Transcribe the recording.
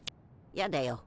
やだよ。